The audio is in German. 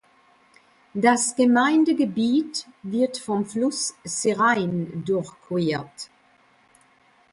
Das Gemeindegebiet wird vom Fluss Serein durchquert.